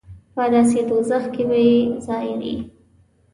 په داسې دوزخ کې به یې ځای وي.